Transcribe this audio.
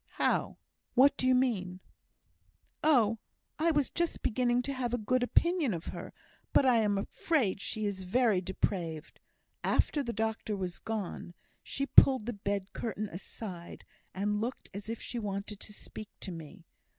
"How? what do you mean?" "Oh! I was just beginning to have a good opinion of her, but I'm afraid she is very depraved. After the doctor was gone, she pulled the bed curtain aside, and looked as if she wanted to speak to me.